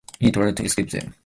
He tried to escape them.